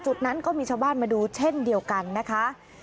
จุดนั้นก็มีชาวบ้านมาดูเช่นเดียวกันนะคะ